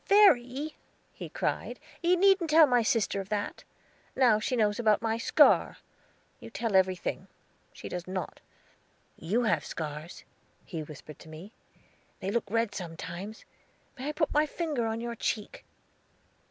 "Verry," he cried, "you needn't tell my sister of that; now she knows about my scar. You tell everything; she does not. You have scars," he whispered to me; "they look red sometimes. May I put my finger on your cheek?"